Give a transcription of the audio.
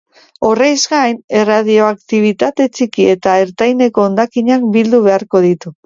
Horrez gain, erradioaktibitate txiki eta ertaineko hondakinak bildu beharko ditu.